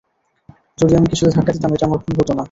যদি আমি কিছুতে ধাক্কা দিতাম, এটা আমার ভুল হতো না।